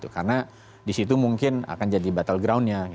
karena di situ mungkin akan jadi battle groundnya